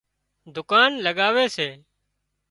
دُڪان لڳاوي سي